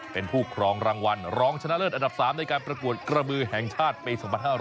เป็นผู้ครองรางวัลรองชนะเลิศอันดับ๓ในการประกวดกระบือแห่งชาติปี๒๕๖๐